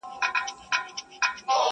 • په خامه خوله پخه وعده ستایمه,